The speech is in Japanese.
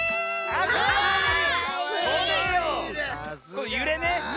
こうゆれね。